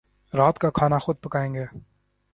رات کا کھانا خود پکائیں گے